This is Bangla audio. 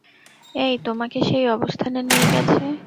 এটা তোমাকে সেই অবস্থানে নিয়ে গেছে।